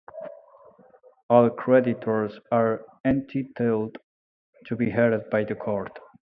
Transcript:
All creditors are entitled to be heard by the court.